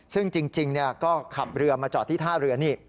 ซึ่งจริงก็ขับเรือมาจอดที่ท่าเรือนี่